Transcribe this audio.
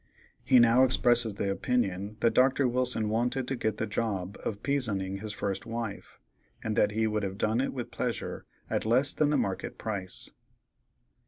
He now expresses the opinion that Dr. Wilson wanted to get the job of "pizoning" that first wife, and that he would have done it with pleasure at less than the market price.